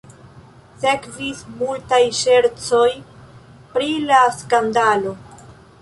Sekvis multaj ŝercoj pri la skandalo.